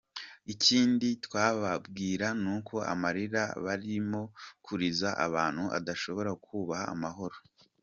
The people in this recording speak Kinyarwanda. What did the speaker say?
Ikindi twababwira nuko amarira barimo kuriza abantu adashobora kubaha amahoro.